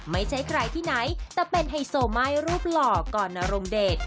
ไม่ใช่ใครที่ไหนแต่เป็นไฮโซม่ายรูปหล่อก่อนนรงเดช